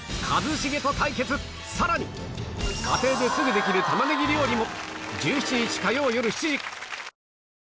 さらに家庭ですぐできる玉ねぎ料理も